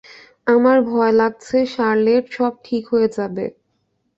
আমার ভয় লাগছে, শার্লেট - সব ঠিক হয়ে যাবে।